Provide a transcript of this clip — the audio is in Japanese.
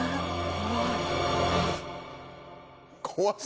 怖い！